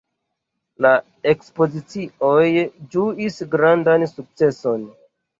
La ekspozicioj ĝuis grandan sukceson.